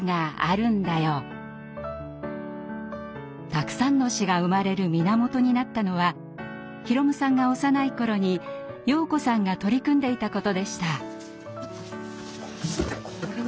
たくさんの詩が生まれる源になったのは宏夢さんが幼い頃に洋子さんが取り組んでいたことでした。